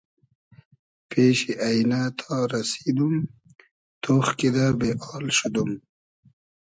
پېشی اݷنۂ تا رئسیدوم ، تۉخ کیدۂ بې آل شودوم